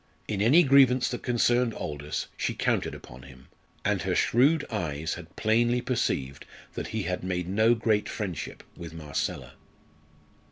In any grievance that concerned Aldous she counted upon him, and her shrewd eyes had plainly perceived that he had made no great friendship with Marcella.